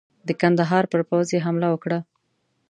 د کندهار پر پوځ یې حمله وکړه.